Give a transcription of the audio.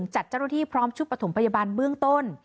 จัดเจ้าหน้าที่พร้อมชุดประถมพยาบาลเบื้องต้น